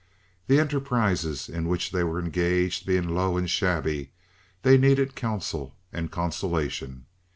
The enterprises in which they were engaged being low and shabby, they needed counsel and consolation.